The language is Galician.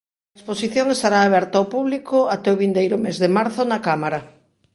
A exposición estará aberta ao público até o vindeiro mes de marzo na Cámara.